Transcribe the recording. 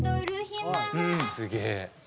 すげえ！